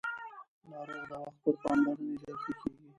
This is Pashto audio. ناروغ د وخت پر پاملرنې ژر ښه کېږي